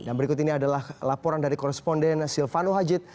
dan berikut ini adalah laporan dari koresponden silvano hajid